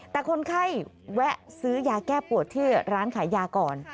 แต่คนไข้แวะซื้อยาแก้ปวดที่ร้านขายยาก่อน